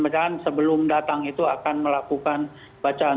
dan sebelum datang itu akan melakukan bacaan